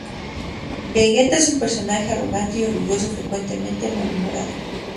Vegeta es un personaje arrogante y orgulloso, frecuentemente malhumorado.